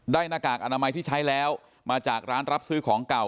หน้ากากอนามัยที่ใช้แล้วมาจากร้านรับซื้อของเก่า